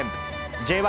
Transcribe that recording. Ｊ１